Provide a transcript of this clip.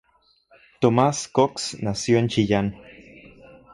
Tomás Cox nació en Chillán.